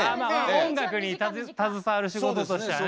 音楽に携わる仕事としてはね。